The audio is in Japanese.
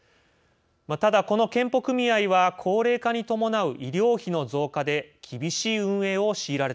ただこの健保組合は高齢化に伴う医療費の増加で厳しい運営を強いられてきました。